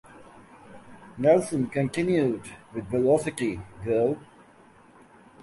Nelson continued with Velocity Girl.